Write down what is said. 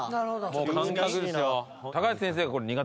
もう感覚ですよ。